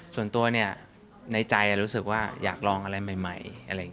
ส่วนตัวเนี่ยในใจรู้สึกว่าอยากลองอะไรใหม่